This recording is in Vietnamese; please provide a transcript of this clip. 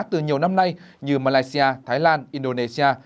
từ nhiều năm nay như malaysia thái lan indonesia